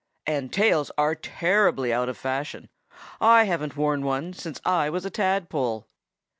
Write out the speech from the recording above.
And tails are terribly out of fashion. I haven't worn one since I was a tadpole."